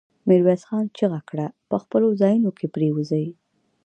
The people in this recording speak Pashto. ميرويس خان چيغه کړه! په خپلو ځايونو کې پرېوځي.